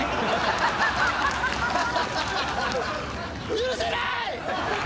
許せない！